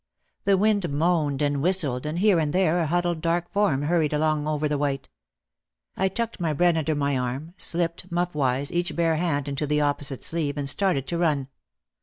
The wind moaned and whistled and here and there a huddled dark form hurried along over the white. I tucked my bread under my arm, slipped, muff wise, each bare hand into the opposite sleeve and started to run.